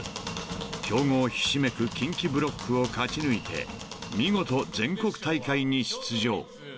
［強豪ひしめく近畿ブロックを勝ち抜いて見事全国大会に出場］